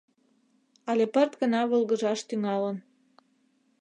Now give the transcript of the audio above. Але пырт гына волгыжаш тӱҥалын.